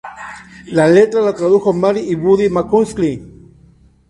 La letra la tradujo Mary y Buddy McCluskey.